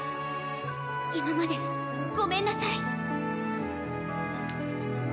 今までごめんなさい。